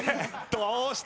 どうした？